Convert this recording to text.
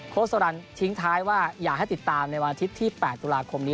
สรรคทิ้งท้ายว่าอยากให้ติดตามในวันอาทิตย์ที่๘ตุลาคมนี้